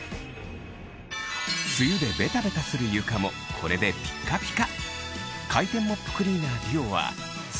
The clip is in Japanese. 梅雨でベタベタする床もこれでピッカピカ！